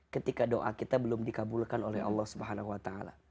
ketika doa kita belum dikabulkan oleh allah swt